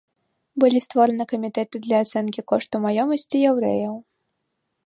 Былі створаны камітэты для ацэнкі кошту маёмасці яўрэяў.